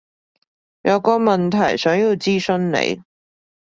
有個問題想要諮詢你